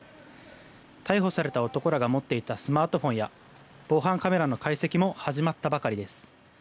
逮捕された男らが持っていたスマートフォンや防犯カメラの解析も始まったばかりです。